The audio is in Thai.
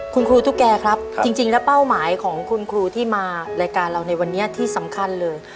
คุณครูตุ๊กแก่ครับจริงแล้วเป้าหมายของคุณครูที่มารายการเราในวันนี้ที่สำคัญเลย